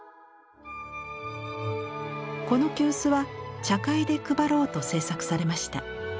この急須は茶会で配ろうと制作されました。